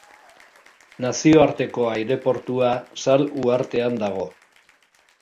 Nazioarteko aireportua Sal uhartean dago.